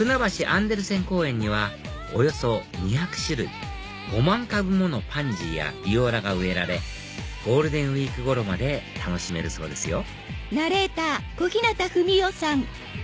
アンデルセン公園にはおよそ２００種類５万株ものパンジーやビオラが植えられゴールデンウイーク頃まで楽しめるそうですよ